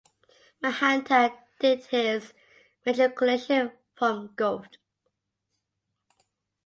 Mahanta did his matriculation from Govt.